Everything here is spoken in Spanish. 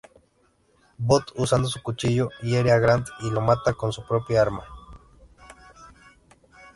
Bond usando su cuchillo hiere a Grant y lo mata con su propia arma.